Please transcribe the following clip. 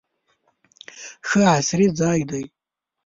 ښه عصري ځای دی.